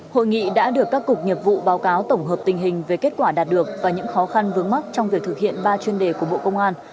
hội nghị đã được các cục nghiệp vụ báo cáo tổng hợp tình hình về kết quả đạt được và những khó khăn vướng mắt trong việc thực hiện ba chuyên đề của bộ công an